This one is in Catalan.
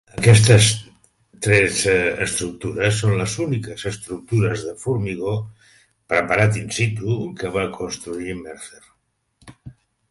Aquestes tres estructures són les úniques estructures de formigó preparat in situ que va construir Mercer.